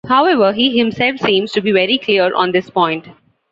However, he himself seems to be very clear on this point.